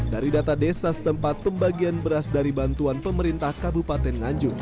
dari data desa setempat pembagian beras dari bantuan pemerintah kabupaten nganjuk